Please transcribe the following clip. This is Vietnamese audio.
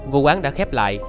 vụ án đã khép lại